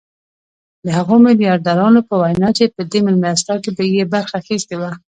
د هغو ميلياردرانو په وينا چې په دې مېلمستيا کې يې برخه اخيستې وه.